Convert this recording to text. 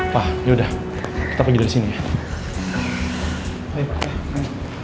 pa ya udah kita pergi dari sini ya